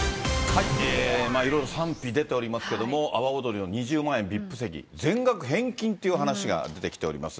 いろいろ賛否出ておりますけれども、阿波おどりの２０万円ＶＩＰ席、全額返金っていう話が出てきております。